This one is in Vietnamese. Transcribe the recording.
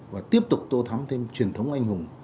và tiếp tục tô thắm thêm truyền thống anh hùng